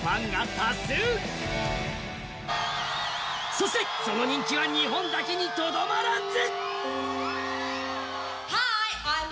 そして、その人気は日本だけにとどまらず！